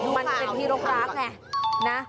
มันเป็นที่ลงลาก